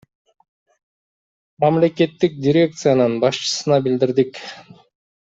Мамлекеттик дирекциянын башчысына билдирдик.